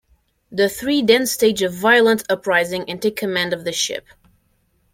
The three then stage a violent uprising and take command of the ship.